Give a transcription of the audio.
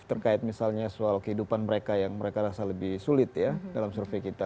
terkait misalnya soal kehidupan mereka yang mereka rasa lebih sulit ya dalam survei kita